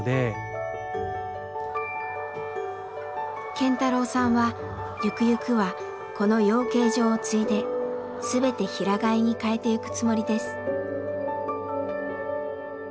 健太郎さんはゆくゆくはこの養鶏場を継いで全て平飼いに変えていくつもりです。